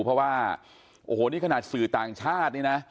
เพราะว่าโอ้โหนี่ขนาดสื่อต่างชาตินี่นะ